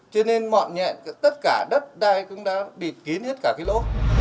cho nên mọt nhẹn tất cả đất đây cũng đã bị kín hết cả cái lỗ